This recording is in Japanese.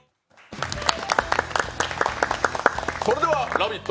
「ラヴィット！